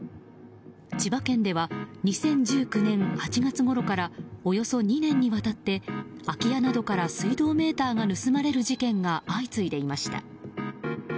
千葉県では２０１９年８月ごろからおよそ２年にわたって空き家などから水道メーターが盗まれる事件が相次いでいました。